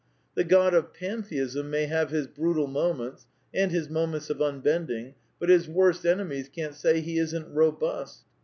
The God of Pantheism may have his brutal moments and his moments of unbending^ but his worst enemies can't say he isn't robust.